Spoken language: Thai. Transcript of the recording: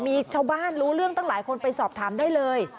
มีชาวบ้านรู้เรื่องตั้งหลายคนไปสอบถามได้เลย